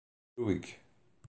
Ruaig